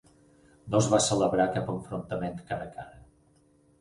No es va celebrar cap enfrontament cara a cara.